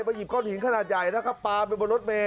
ไปหยิบก้อนหินขนาดใหญ่แล้วก็ปาไปบนรถเมล์